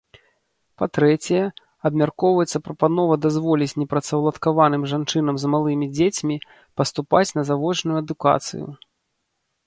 Па-трэцяе, абмяркоўваецца прапанова дазволіць непрацаўладкаваным жанчынам з малымі дзецьмі паступаць на завочную адукацыю.